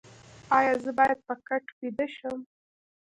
ایا زه باید په کټ ویده شم؟